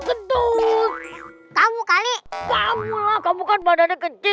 ketutnya itu bau banget